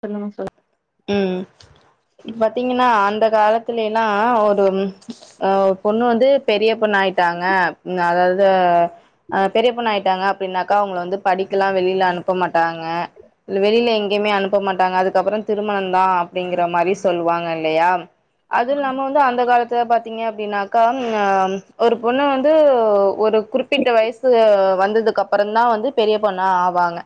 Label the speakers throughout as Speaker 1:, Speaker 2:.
Speaker 1: சொல்லுங்க சொல்
Speaker 2: உம் இப்பாத்தீங்கன்னா அந்த காலத்துலேலா ஒரு அஹ் பொண்ணு வந்து பெரிய பொண்ணாயிட்டாங்க ம் அதாவது ஆஹ் பெரிய பொண்ணாயிட்டாங்க அப்டினாக்கா அவங்கள வந்து படிக்கல்லா வெளில அனுப்ப மாட்டாங்க வெளில எங்கயுமே அனுப்ப மாட்டாங்க அதுக்கப்புறம் திருமணந்தா அப்டிங்கிற மாரி சொல்வாங்க இல்லையா அதுல நாம வந்து அந்த காலத்துல பாத்தீங்க அப்டின்னாக்கா ஹ ஒரு பொண்ணு வந்து ஒரு குறிப்பிட்ட வயசு வந்ததுக்கு அப்புறந்தா வந்து பெரிய பொண்ணா ஆவாங்க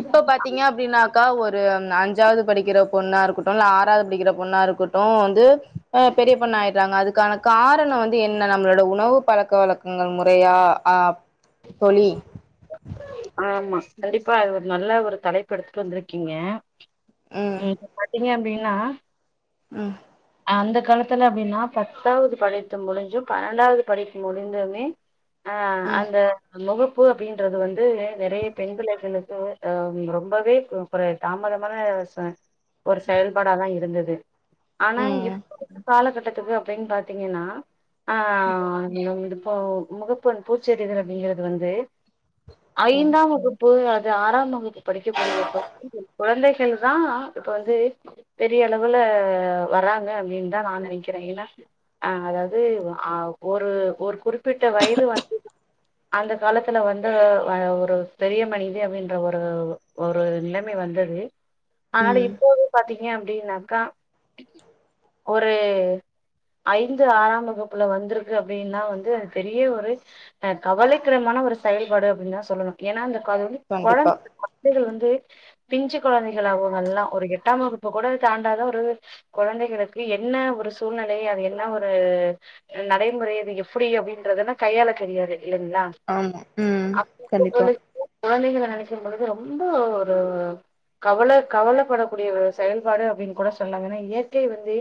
Speaker 2: இப்ப பாத்தீங்க அப்படின்னாக்கா ஒரு அஞ்சாவது படிக்கிற பொண்ணா இருக்கட்டு இல்ல ஆறாது படிக்கிற பொண்ணா இருக்கட்டு வந்து அஹ் பெரிய பொண்ணாயிடுறாங்க அதுக்கான காரணோ வந்து என்ன நம்மளோட உணவு பழக்க வழக்கங்கள் முறையா ஆ தோழி
Speaker 1: ஆமா கண்டிப்பா அது ஒரு நல்ல ஒரு தலைப்பெடுத்துட்டு வந்திருக்கீங்க இப்ப பாத்தீங்க அப்படின் னா
Speaker 2: உம்
Speaker 1: அந்த காலத்துல அப்படின்னா பத்தாவ்து படித்து முடிஞ்சு பண்ணென்டாவது படிப்பு முடிஞ்சுமே ஆஹ்
Speaker 2: ம்
Speaker 1: அந்த மொகப்பு அப்படீன்றது வந்து நெறைய பெண் பிள்ளைகளுக்கு ஹ ரொம்பவே குறய தாமதமாக ஒரு செ செயல்பாடாதா இருந்தது ஆனா
Speaker 2: ம்
Speaker 1: இப்ப [inaudible] காலகட் டத்துக்கு அப்டீன் பாத்தீங்கன்னா ஆஹ் நீ உ வீட்டுக்கு ஓ முகப்பெண் பூச்சசெறித ங்கிறது வந்து
Speaker 2: ம்
Speaker 1: ஐந்தாம் வகுப்பு அ ஆறாம் வகுப்பு படிக்கக்கூடிய [inaudible] குழந்தைகள்தா இப்ப வந்து பெரிய அளவுல வராங்க அப்டின்னுதா நா நெனைக்கிறே ஏன்னா அஹ் அதாவது ஆஹ ஒரு ஒரு குறிப்பிட்ட வயது வந்து அந்த காலத்துல வந்து அ ஒரு பெரிய மனிதி அப்படின்ற ஒரு ஒரு நிலமை வந்தது அதுனால
Speaker 2: ம்
Speaker 1: இப்போது பாத்தீங் ஏ அப்டின்னாக்கா ஒரு ஐந்து ஆறாம் வகுப்புல வந்திருக்கு அப்டீனா வந்து அது பெரிய ஒரு அ கவலைக்கிடமான ஒரு செயல்பாடு அப்டீன்னுதா சொல்லணு ஏனா அந்த அதுவந்து கொழ
Speaker 2: கண்டிப்பா
Speaker 1: [unintelligible] பிஞ்சு கொழந்தைகள் அவுங்கெல்லா ஒரு எட்டாம் வகுப்பு கூட தாண்டாத ஒரு கொழந்தைகளுக்கு என்ன ஒரு சூழ்நிலை அது என்ன ஒரு நடைமுறை அது எப்டி அப்டின்றதுல்லா கையாளத் தெரியாது. இல்லைங்ளா
Speaker 2: ஆமா ம் கண்டிப்பா
Speaker 1: [unintelligible] குழந்தைகள நெனைக்கும் பொழுது ரொம்ப ஒரு கவல கவலப்படகூடிய ஒரு செயல்பாடு அப்டின்னு கூட சொல்லாங்க ஏனா இயற்கை வந்து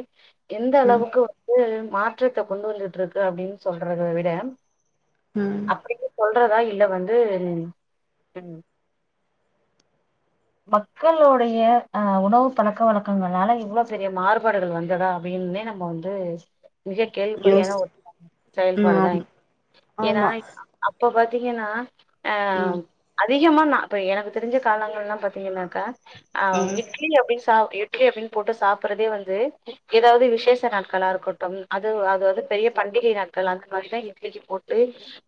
Speaker 1: எந்த
Speaker 2: ம்
Speaker 1: அளவுக்கு வந்து மாற்றத்த கொண்டு வந்துட்ருக்கு அப்டின்னு சொல்றத விட
Speaker 2: ம்
Speaker 1: அப்டீனு சொ ல்றதா இல்ல வந்து உம் மக்களுடைய அஹ் உணவு பழக்க வழக்கங்களால இவ்வளவு பெரிய மாறுபாடுகள் வந்ததா அப்டின்னே நம்ம வந்து மிக
Speaker 2: யோஸ்
Speaker 1: கேள்விக்குறியான [inaudible] ஒரு
Speaker 2: ம்
Speaker 1: செயல்பாடுதா
Speaker 2: ஆமா
Speaker 1: [inaudible] ஏனா
Speaker 2: ஆமா
Speaker 1: [inaudible] இப்ப பாத்தீங்கன்னா
Speaker 2: ம்
Speaker 1: ஆஹ் அடு அதிகமான் நா இப்ப எனக்கு தெரிஞ்ச காலங்கள் எலாம் பாத் னினக்கா ஆஹ
Speaker 2: ம்
Speaker 1: இட்லி அப்டி ச இட்லி அப்டின்னு போட்டு சாப்பிடுறதே வந்து ஏதாவது விசேஷ நாட்களா இருக்கட்டு அது அதாவது பெரிய பண்டிகை நாட்கள் அந்த மாதிரிதா இட்லிக்கு போட்டு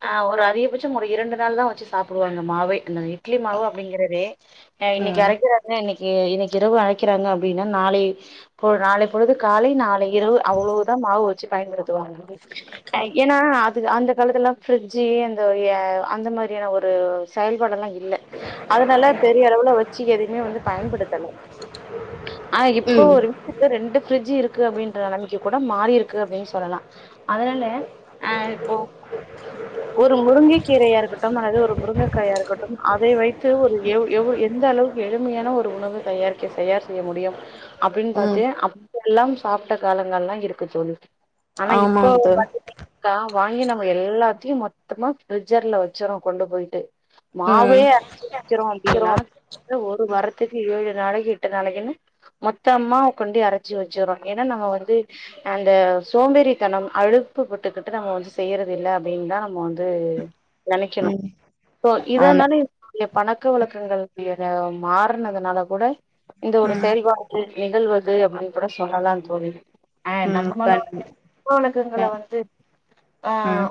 Speaker 1: ஆஹ் ஒரு அதிகபட்சம் ஒரு இரண்டு நாள் தா வெச்சு சாப்பிடுவாங்க மாவேஅந்த இட்லி மாவு அப்டிங்கறதே ஆஹ இன்னைக்கி
Speaker 2: ம்
Speaker 1: அரைகுறவங்க இன்னைக்கி எனக்கு இரவு அழைக்கிறாங்க அப்டின்னா நாளை பொ நாளை பொழுது காலை நாளை இரவு அவ்வளவுதா மாவு வச்சு பயன்படுத் [unintelligible] ஏன்னா அந்த காலத்துலாம் பிரிட்ஜி அந்த எ அந்த மாதிரியான ஒரு செயல்பாட எல்லா இல்ல அதனால பெரிய பெரிய அளவுல வச்சு எதவுமே வந்து பயன்படுத்தலை ஆனா இப்போ
Speaker 2: ம்
Speaker 1: ஒரு வீட்டுக்கு ரெண்டு பிரிடட்ஜ் இருக்கு அப்டின்ற நெலமைக்குை கூட மாறி இருக்கு அப்டின்னு சொல்லலா அதனாலே ஆஹ் இப்போ ஒரு முருங்கை கீரையா இருக்கட்டு அல்லது ஒரு முருங்கைக்காயா இருக்கு ட்டும் அதை வைத்து ஒரு எ எவ் எந்த அளவுக்கு எளிமையான ஒரு உணவை தயாரிக்க தயார் செய்ய முடியு அப்டின்னு
Speaker 2: ம்
Speaker 1: பாத்து எல்லாம் சாப்ட்ட காலங்கல்லாம் இருக்கு தோழி ஆனா இப்போ
Speaker 2: ஆமாங்க தோழி
Speaker 1: பாத்துட்டீன்கனாக்கா வாங்கி நம்ம எல்லாத்தையும் மொத்தமா பிர்ஜர்ல வச்சிரோம் கொண்டு போயிட்டு மாவே
Speaker 2: ம்
Speaker 1: அரச்சு வச்சிரோ [unintelligible] வரத்துக்கு ஏழு நாளைக்கு எட்டு நாளைக்குன்னு மொத்தமா கொண்டி அரைச்சு வச்சிறோ ஏன்னா நம்ம வந்து அந்த சோம்பேறித்தனம் அழுப்புப்பட்டுக்கிட்டு நம்ம வந்து செய்யறது இல்ல அப்டின்னுதான் நம்ம வந்து நெனைக்கணும்
Speaker 2: ம்
Speaker 1: சோ
Speaker 2: ஆமா
Speaker 1: இதனால [unintelligible] பணத்தை பழக்க வழக்கங்கள் [unintelligible] மாறனதுனால கூட இந்த ஒரு
Speaker 2: ம்
Speaker 1: செயல்பாடு நிகழ்வது அப்படின்னு கூட சொல்லலாம் தோழி அஹ்
Speaker 2: ம் கண்டி
Speaker 1: நம்முடைய
Speaker 2: அ
Speaker 1: உலகங்கல வந்து ஆஹ்
Speaker 2: ம்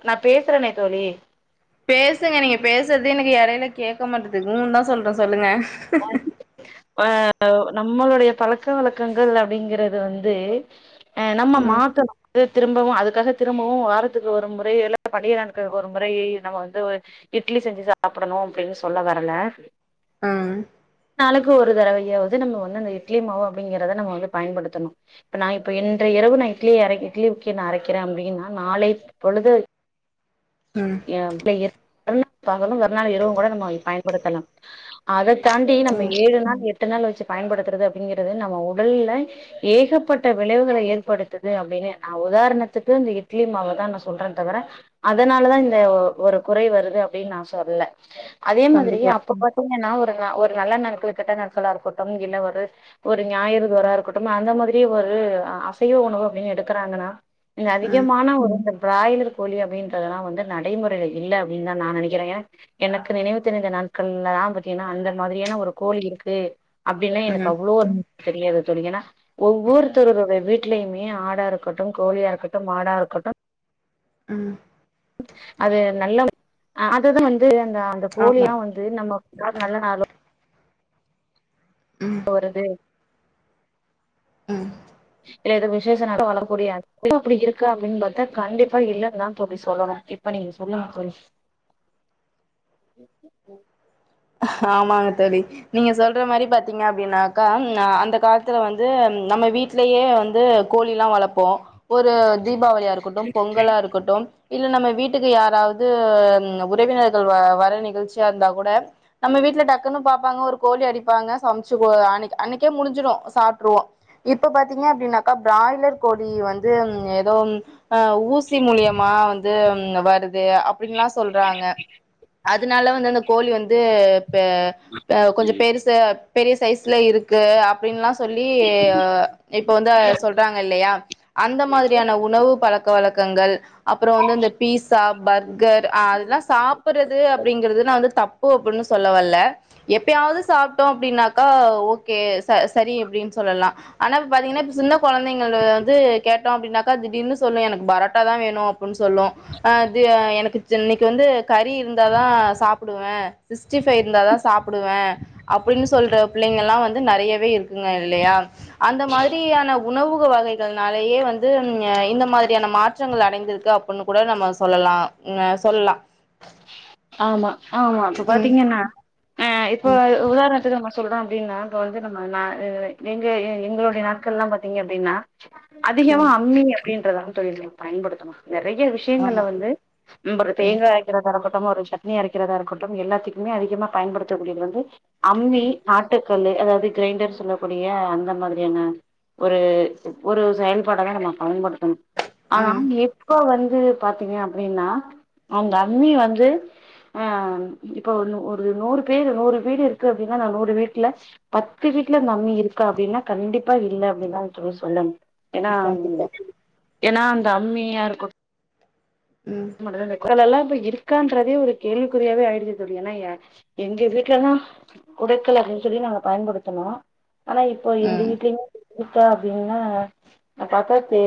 Speaker 1: ளவு நா பேசுறேனே தோழி
Speaker 2: பேசுங்க நீங்க பேசுறது எனக்கு எடையில கேக்க மாட்டதுக்கும்ன்னு தான் சொல்றேன் சொல்லுங்க
Speaker 1: [unintelligible] ஆஹ் அ நம்மளுடைய பழ பழக்க வழக்கங்கள் அப்படிங்கிறது வந்து தே அ நம்ம
Speaker 2: ம்
Speaker 1: மாத்தனு து திரும்பவும் அதுக்காக திரும்பவும் வாரத்துக்கு ஒரு முறை இல்ல பண்டிகை நாட்களுக்கு ஒரு முறை நம்ம வந்து இட்லி செஞ்சு சாப்பிடணும் அப்டின்னு சொல்ல வரல
Speaker 2: ஆ
Speaker 1: ளுக்கு ஒரு தடவையாவது நம்ம வந்து அந்த இட்லி மாவு அப்படிங்கறத நம்ம வந்து பயன்படுத்தணும் இப்ப நா இப்ப இன்ற இரவு நான் இட்லிய இட்லிக்கு நா அரைக்கிறே அப்டின்னா நாளை பொழுது [unintelligible]
Speaker 2: ம்
Speaker 1: [unintelligible] இரவும் கூட நம்ம பயன்படுத்தலாம் அதக் தாண்டி நம்ம
Speaker 2: ம்
Speaker 1: ஏழு நாள் எடு எட்டு நாள் வச்சு பயன்படுத்துறது அப்படிங்கறது நம்ம உடல்ல ஏகப்பட்ட விளைவுகளை ஏற்படுத்துது அப்டின்னு உதாரணத்துக்கு இந்த இட்லி மாவ தான் நான் சொல்றேன் தவிர அதனால தா இந்த ஒரு குறை வருது அப்படின் நா சொல்ல அதே மாதிரி
Speaker 2: கண்டிப்பா
Speaker 1: அப்ப பாத்தீங்கனா ஒரு நல்ல நாட்களா கெட்ட நாட்களா இருக்கட்டும் இல்ல ஒரு ஒரு ஞாயிறு தோறாஇருக்கட்டும் அந்த மாதிரி ஒரு அசைவ உணவு அப்படின்னு எடுக்கறாங்கனா இங்க
Speaker 2: ம்
Speaker 1: அதிகமான ஒரு பிராய்லர் கோழி அப்படின்றதல்லா வந்து நட நடைமுறையில இல்ல அப்டின்னு தா நா நெனைக்கிறே ஏன்னா எனக்கு நினைவு தெரிந்த நாட்கள்ல தான் பாத்தீங்கன்னா அந்த மாதிரியான ஒரு கோழி இருக்கு அப்டில்லா எனக்கு
Speaker 2: ம்
Speaker 1: அவ்ளோ தெரியாது தோழி ஏன்னா ஒவ்வொருத்தருட வீட்லயுமே ஆடா இருக்கட்டு கோழியா இருக்கட்டு மாடா இருக்கட்டு
Speaker 2: ம்
Speaker 1: அது நல்ல அதுதா வந்து அந்த
Speaker 2: ஆமா
Speaker 1: போலியா வந்து நம்ம நல்ல நாளும்
Speaker 2: ம்
Speaker 1: போறது
Speaker 2: ம்
Speaker 1: இல்ல ஏதோ விசேஷ [unintelligible] அப்படி இருக்கு அப்படின்னு பார்த்தா கண்டிப்பா இல்லன்னு தான் தொழி சொல்லணும் இப்ப நீங்க சொல்லுங்க தொழி
Speaker 2: ஆமாங்க தொழி நீங்க சொல்ற மாரி பாத்தீங்க அப்படின்னாக்கா அந்த காலத்துல வந்து நம்ம வீட்லயே வந்து கோழி எல்லாம் வளப்போ ஒரு தீபாவளியா இருக்கட்டும் பொங்கலா இருக்கட்டும் இல்ல நம்ம வீட்டுக்கு யாராவது உறவினர்கள் வர நிகழ்ச்சியா இருந்தா கூட நம்ம வீட்ல டக்குன்னு பாப்பாங்க ஒரு கோழி அடிப்பாங்க சமைச்சு அன் அன்னைக்கே முடிஞ்சிடும் சாப்ட்ருவோ இப்ப பாத்தீங்க அப்படின்னாக்கா பிராய்லர் கோழி வந்து ஏதோ ஆ ஊசி மூலியமா வந் வருது அப்படின்லா சொல்றாங்க அதனால வந்து அந்த கோழி வந்து [inaudible] இப்ப கொஞ்ச பெருச பெரிய சைஸ்ல இருக்கு அப்படின்லா சொல்லி இப்ப வந்து சொல்றாங்க இல்லையா அந்த மாதிரியான உணவு பழக்க வழக் க்கங்கள் அப்புறம் வந்து இந்த பீஸா பர்கர் அதெல்லா சாப்பிடுறது அப்படிங்கறது நா வந்து தப் ப்போ அப்படின்னு சொல்ல வல்ல எப்பயாவது சாப்ட்டோம் அப்படின்னாக்கா ஓகே ச சரி அப்படின்னு சொல்லலா ஆனா இப்ப பாத்தீங்கன்னா இப்ப சின்ன கொழந்தங்க வந்து கேட்ட அப்படின்னாக்கா அது திடின்னு சொல்லு எனக்கு பரோட்டா தான் வேணும் அப்படின்னு சொல்லு அ எனக்கு இன்னைக்கு வந்து கறி இருந்தாதா சாப்பிடுவே சிக்ஸ்டி ஃபைவ் இருந்தாதா சாப்பிடுவே அப்படின்னு சொல்ற பிள்ளைங்க எல்லாம் வந்து நேறையவே இருக்குங்க இல்லையா அந்த மாதிரியான உணவுக வகைகள்னாலேயே வந்து அ இந்த மாதிரியான மாற்றங்கள் அடைந்திருக்கு அப்பன் கூட நம்ம சொல்லலா அ சொல்லா
Speaker 1: ஆமா ஆமா அப்ப பாத்தீங்கன்னா அ இப்ப
Speaker 2: உம்
Speaker 1: உதாரணத்துக்கு நம்ம சொ சொல்றோ அப்டினா இப்ப வந்து நா நீங்க எ எங்களோட நாட்கள்லா பாத்தீங்க அப்டின்னா சொ அதிகமா
Speaker 2: உம்
Speaker 1: அம்மிங்க அப்டின்றதா தோழி பயன்படுத்தணு நெறைய விஷயங்கள்ல
Speaker 2: ஆமா
Speaker 1: வந்து ந
Speaker 2: உம்
Speaker 1: தேங்காயக்கிற [unintelligible] நம்ம ஒரு சட்னி அரைக்கிறதா இருக்கட்டும் எல்லாத்துக்குமே அதிகமா பயன்படுத்தக்கூடியது வந்து அம்மி ஆட்டுக்கல்லு அதாவது க்ரைண்டர் சொல்லக்கூடிய அந்த மாரியான ஒரு ஒரு செயல்பாடதா நம்ம பயன்படுத்தணு ஆ
Speaker 2: உம்
Speaker 1: எப்ப வந் து பாத்தீங்க அப்டின்னா அந்த அம்மி வந்து து அம் இப்ப ஒரு ஒரு நூறு பேர் நூறு வீடு இருக்கு அப்டினா நா நூறு வீட்டுல பத்து வீட்டுல அந்த அம்மி இருக்கா அப்டின்னா கண்டிப்பா இல்ல அப்டின் தா தோழி சொல்லனு ஏனா
Speaker 2: கண்டிப்பா
Speaker 1: ஏனா அந்த அம்மியா இருக்
Speaker 2: ம்
Speaker 1: [unintelligible] எல்லாம் இப்ப இருக்கான்றதே ஒரு கேள்விக்குறியாவே ஆயிடுச்சு தோழி ஏனா ஏ எங்க வீட்லல்லா குடுக்கல அப்டின் சொல்லி நாங்க பயன்படுத்துனோ ஆனா இப்போ எங்க
Speaker 2: ம்
Speaker 1: வீட்லயு இருக்கா அப்டின்னா பாத்தா தெ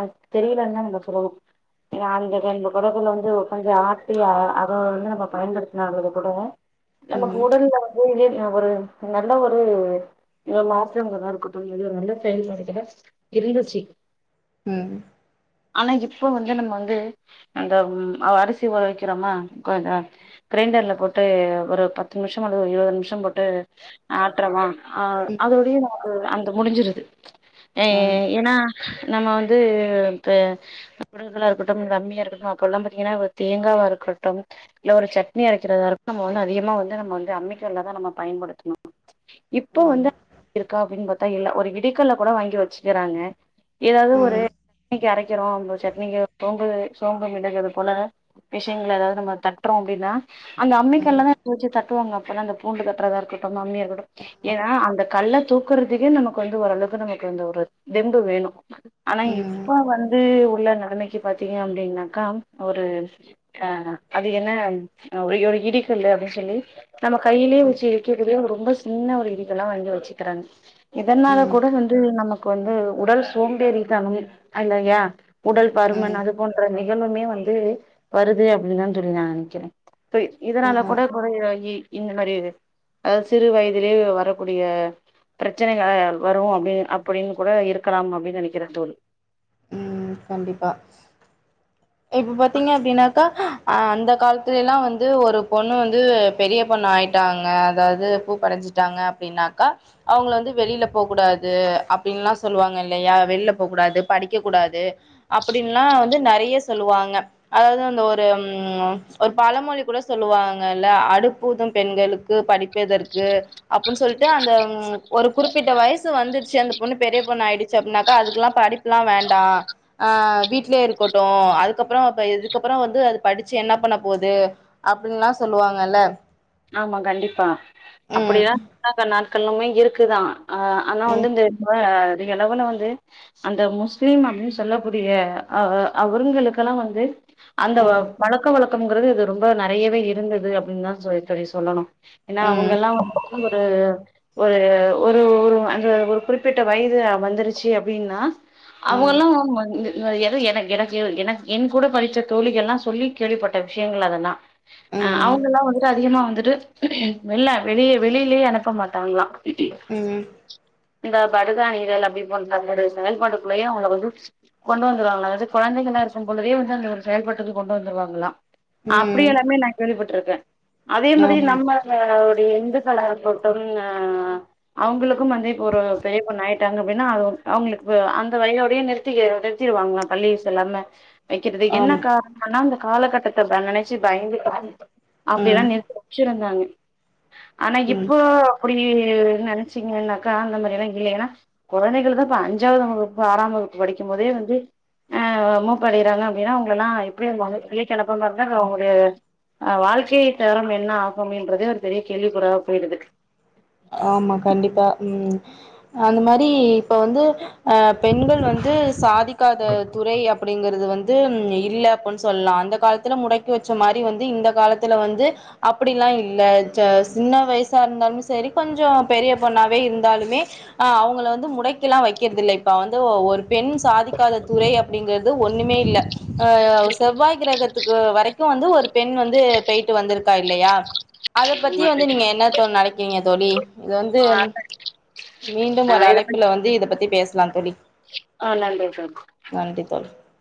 Speaker 1: அ தெரிலன் தா நம்ம சொல்லனு [unintelligible] [unintelligible] கல்ல வந்து கொஞ்சோ ஆட்டி அ அ அத வந்து நம்ம பயன்படுத்தினம்போது கூட நமக்கு
Speaker 2: ம்
Speaker 1: உடல் வந்து [unintelligible] ஒரு நல்ல ஒரு அ மாற்றங்கதா இருக்கட்டு [unintelligible] ஒரு நல்ல செயல்பாடுகளா இருந்துச்சி
Speaker 2: ம்
Speaker 1: ஆனா இப்ப வந்து நம்ம வந்து அந்த ம் அ அரிசி ஊற வக்கறமா கொஞ்ச க்ரைண்டர்ல போட்டு ஒரு பத்து நிம்ஷோ அல்லது இருவது நிமிஷோ போட்டு ஆட்றமா ஆ
Speaker 2: ம்
Speaker 1: அதோடயே நமக்கு அந் த முடிஞ்சிருது ஏ
Speaker 2: ஆமா
Speaker 1: ஏனா நம்ம வந்து இப்ப [inaudible] இருக்கட்டு அம்மியா இருக்கட் [unintelligible] அப்பல்லா பாத்தீங்கனா ஒரு தேங்காவா இருக்கட்டும் இல்ல ஒரு சட்னி அரைக்கிறதா இருக் நம்ம வந்து அதிகமா வந்து நம்ம வந்து அம்மி கல்லதா நம்ம பயன்படுத்துனோ இப்ப வந்து இருக்கா அப்டின் பாத் தா இல்ல ஒரு இடிக்கல்ல கூட வாங்கி வெச்சுக்கறாங்க ஏதாது ஒரு
Speaker 2: ம்
Speaker 1: ட்னிக்கு அரைக்கறோ [unintelligible] சட்னிக்கு சோம்பு [unintelligible] அது போல விஷயங்கள் அதாது நம்ம தட்றோ அப்டின்னா அந்த அம்மி
Speaker 2: ம்
Speaker 1: கல்ல தா வச்சு தட்டுவாங்க அதா அந்த பூண்டு தட்டுறதா இருக்கட்டு அம்மிய [inaudible] ஏனா அந்த கல்ல தூக்கறதுக்கே நமக்கு வந்து ஓரளவுக்கு நமக்கு வந்து ஒரு தெம்பு வேணு ஆனா
Speaker 2: ம் ம்
Speaker 1: இப்ப வந்து உள்ள நெலமைக்கு பாத்தீங்க அப்டின்னாக்கா ஒரு ஆஹ் அது என்ன அ ஒரு ஒரு இடிகல்லு அப்டின் சொல்லி நம்ம கைலே வெச்சு இடிக்கக்கூடிய ரொம்ப சின்ன ஒரு இடிகல்லா வாங்கி வெச்சுக்கிறாங்க இதனால கூட
Speaker 2: ம்
Speaker 1: வந்து நமக்கு வந்து உடல் சோம்பேறித்தனம் அல்லயா உடல் பருமன்
Speaker 2: ம்
Speaker 1: அது போன்ற நிகழ்வுமே வந்து வருது அப்டினு தா சொல்லி நா நெனைக்கறே க்கு இதனால
Speaker 2: ஆமா
Speaker 1: கூட கொஞ்ச இ இந்த மாரி இது அதாது சிறு வயதிலே வரக்கூடிய பிரச்சனைகள் வரும் அப்டினு அப்படின்னு கூட இருக்கலாம் அப்டின்னு நெனைக்கிறே தோழி
Speaker 2: உம் கண்டிப்பா இப்ப பாத்தீங்க அப்டின்னாக்கா அஹ் அந்த கால த்துலலா வந்து ஒரு பொண்ணு வந்து பெரிய பொண்ணு ஆயிட்டாங்க அதாவது பூப்படஞ்சுட்டாங்க அப்டின்னாக்கா அவங்கள வந்து வெளில போக்கூடாது அப்டின்லா சொல்லுவாங்க இல்லையா வெள்ல போக்கூடாது படிக்க கூடாது அப்டின்ல்லா து நெறைய சொல்லுவாங்க அதாவது அந்த ஒரு ம் ஒரு பழமொழி கூட சொல்லுவாங்கல்ல அடுப்பு ஊதும் பெண்களுக்கு படிப்பு எதற்கு அப்புன் சொல்ட்டு அந்த ம் ஒரு குறிப்பிட்ட வயசு வந்துருச்சு அந்த பொண்ணு பெரிய பொண்ணாயிடுச்சு அப்டினாக்கா அதுக்குலா படிப் புல்லா வேண்டா அஹ் வீட்லே இருக்கட்டு அதுக்கப்பறோ அப்ப இதுக்கப்பறோ வந்து அது படிச்சு என்னா பண்ண போது அப்பின்ல்லா சொல்லுவாங்கல்ல
Speaker 1: ஆமா கண்டிப்பா
Speaker 2: ம்
Speaker 1: அப்டியெல்லா பண்ணாதனால் க்கல்லுமே இருக்குதா ஆஹ் ஆனா வந்து
Speaker 2: ம்
Speaker 1: இந்த எழவுல வந்து அந்த முஸ்லீம் அப்படின்னு சொல்லக்கூடிய அஹ அ அவருங்கக்கெல்லா வந்து அந்த
Speaker 2: ம்
Speaker 1: பழக்க வழக்கம்ங்கிறது இது ரொம்ப நிறயவே இருந்தது அப்படின்னுதா சொல் தோழி சொல்லணு ஏனா
Speaker 2: ம்
Speaker 1: அவுங்கெல்லா வந்துட்டு ஒரு ஒரு ஒரு ஒரு அந்த ஒரு குறிப்பிட்ட வயது வந்துருச்சு அப்படின்னா அவுங்ல்லா எது என எனக்கு எனக்கு என் கூட படிச்ச கோழிகள் எல்லா சொல்லி கேள்விப்பட்ட விஷயங்கள் அதெல்லா அஹ்
Speaker 2: ம்
Speaker 1: அவுங்கெல்லா வந்துட்டு அதிகமா வந்துட்டு வெல்ல வெளிய வெளிலயே அனுப்ப மாட்டாங்களா ஹிக்ஹம்
Speaker 2: ம்
Speaker 1: இந்த படுகா நீரல் அப்படி போன்ற ஒரு செயல்பாட்டுக்குள்ளயே அவுங்கல வந்து கொண்டு வந்துருவாங்களா அது குழந்தைகளா இருக்கும்பொழுதே வந்து அந்த ஒரு செயல்பாட்டுக்கு கொண்டு வந்துருவாங்களா
Speaker 2: ம்
Speaker 1: அப்படி
Speaker 2: ம்
Speaker 1: எல்லாமே நா கேள்விப்பட் ட்டு இருக்க அதே மாரி
Speaker 2: ஆமா
Speaker 1: நம்ம அப்படி எந்து கலர போட்டும் ஹ் அவுங்களுக்கும் வந்து இப்போ ஒரு பெரியப் பொண்ணாயிட்டாங்க அப்படின்னா அது அவங்களுக்கு அந்த வயோடையே நிறுத்தி நிறுத்திருவாங்ளா பள்ளி செல்லாம வெக்கிறதுக்கு என்ன
Speaker 2: ஆமா
Speaker 1: காரணோனு சொன்னா காலகட்டத்த ப நினைச்சு பயந்துகிறோ அப்படி எல்லா
Speaker 2: ம்
Speaker 1: நிருத்தி வெச்சிறந்தாங்க ஆனா
Speaker 2: ம்
Speaker 1: இப்போ அப்படி நினைச்சீங்கன்னாக்கா அந்த மாரி எல்லா இல்லனா கொழந்தைகள்தா இப்ப அஞ்சாவது வகுப்பு ஆறாம் வகுப்பு படிக்கும்போதே வந்து ஆஹ் மூப் அடயறாங்க அப்படின்னா அவங்கெல்லா எப்படி [unintelligible] கிளப்ப மா இருந்தா அது அவுங்களுக்கு அஹ் வாழ்க்கை தரம் என்ன ஆகும் என்றதே ஒரு பெரிய கேள்விக்கூறா போயிடுது
Speaker 2: ஆமா கண்டிப்பா ம் அந்த மாரி இப்போ வந்து ஆஹ் பெண்கள் வந்து சாதிக் காத துறை அப்டிங்ற இதுது வந்து இல்ல அப்ன்னு சொல்லா அந்த காலத்துல முடக்கி வெச்ச மாரி வந்து இந்த காலத்துல வந்து அப்டி எல்லா இல்ல சே சின்ன வயசா இருந்தாலுமே சரி கொஞ்சோ பெரிய பொண்ணாவே இருந்தாலுமே அவங்கள வந்து முடக்கி எல்லா வெக்கிறது இல்ல இப்போ வந்து ஒரு பெண் சாதிக்காத துறை அப்டிங்கறது ஒண்ணுமே இல்ல ஆஹ் செவ்வாய் கிரகத்துக்கு வரைக்கு வந்து ஒரு பெண் வந்து பேய்ட்டு வந்திருக்கு க்கா இல்லயா அத பத்தி
Speaker 1: ஆமா
Speaker 2: வந்து நீங்க என்ன தோழி நெனக் கிறீங்க தோழி இது வந்து மீண்டும்
Speaker 1: ஆ
Speaker 2: ஒரு
Speaker 1: இத பத்தி
Speaker 2: அழைப்புல வந்து இத பத்தி பேசலாந் தோழி
Speaker 1: ஆ நன்றி தோழி
Speaker 2: நன்றி தோழி